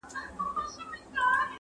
د خیراتونو یې په غوښو غریبان ماړه وه!!